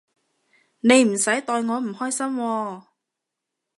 你唔使代我唔開心喎